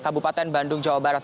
kabupaten bandung jawa barat